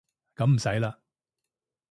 噉唔使啦